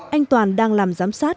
anh toàn đang làm giám sát